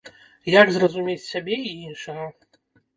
Як зразумець сябе і іншага?